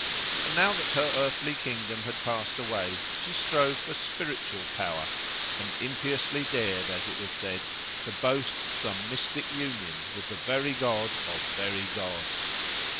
And now that her earthly kingdom had passed away she strove for spiritual power, and impiously dared, as it was said, to boast some mystic union with the very God of very God!